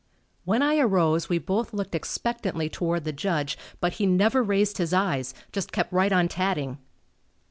When I arose we both looked expectantly toward the Judge, but he never raised his eyes just kept right on tatting.